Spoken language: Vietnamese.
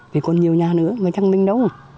vì còn nhiều nhà nữa mà chẳng minh đâu